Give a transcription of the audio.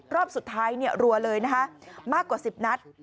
รอบสุดท้ายรัวเลยนะคะมากกว่า๑๐นัด